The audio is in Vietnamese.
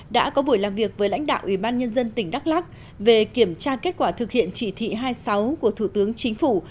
đã có buổi làm việc với lãnh đạo ủy ban nhân dân tỉnh đắk lắc về kiểm tra kết quả thực hiện chỉ thị hai mươi sáu của thủ tướng chính phủ